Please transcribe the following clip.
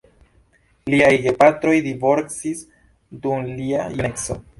Liaj gepatroj divorcis dum lia juneco.